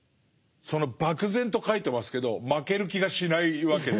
その漠然と書いてますけど負ける気がしないわけですよね。